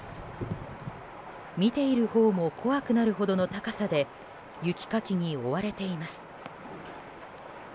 見ているほうも怖くなるほどの高さで雪かきに追われています。